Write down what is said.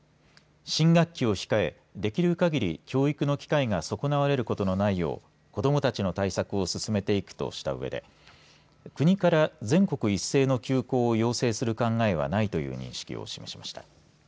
新学期を控えできるかぎり教育の機会が損なわれることのないよう子どもたちの対策を進めていくとしたうえで国から全国一斉の休校を要請する考えはないという認識を示しました。